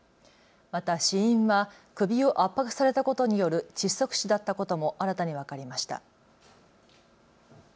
また死因は首を圧迫されたことによる窒息死だったことも新たに分かりました。